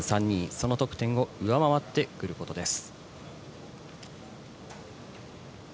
その得点を上回ってくることです。